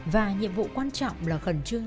và nhiệm vụ quan trọng là khẩn trương